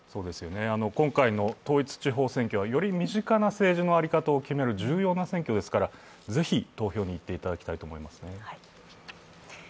今回の統一地方選挙はより身近な政治の在り方を決める決める重要な選挙ですから、ぜひ投票に行っていただきたいと思いますね。